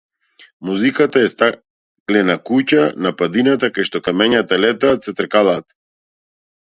Музиката е стаклена куќа на падината кај што камењата летаат, се тркалаат.